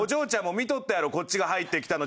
見とったやろ。